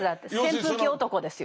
扇風機男ですよ。